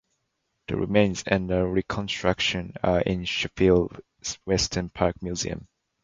The remains and a reconstruction are in Sheffield's Weston Park Museum.